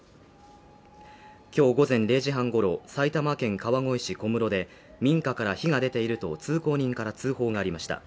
今日午前０時半ごろ、埼玉県川越市小室で民家から火が出ていると通行人から通報がありました。